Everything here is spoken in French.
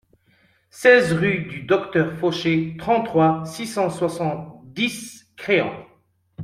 seize rue du Docteur Fauché, trente-trois, six cent soixante-dix, Créon